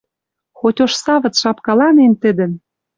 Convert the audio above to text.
Хоть ош савыц шапкаланен тӹдӹн